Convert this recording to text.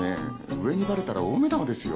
上にばれたら大目玉ですよ。